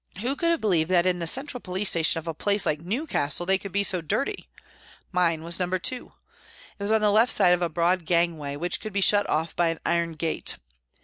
Who could have believed that in the central police station of a place like Newcastle they could be so dirty ? Mine was No. 2. It was on the left side of a broad gangway, which could be shut off by an iron gate.